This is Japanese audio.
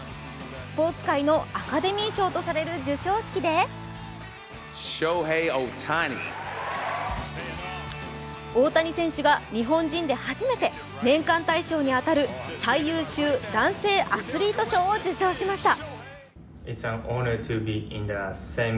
スポーツ界のアカデミー賞とされる授賞式で大谷選手が日本人で初めて年間大賞に当たる最優秀男性アスリート賞を受賞しました。